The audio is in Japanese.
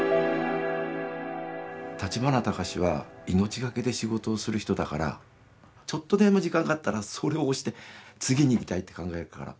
立花隆は命懸けで仕事をする人だからちょっとでも時間があったらそれを押して次に行きたいって考えるから。